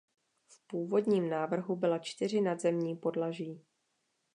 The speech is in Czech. V původním návrhu byla čtyři nadzemní podlaží.